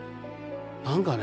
何かね